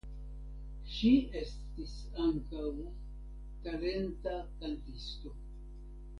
Ŝi estis ankaŭ talenta kantisto.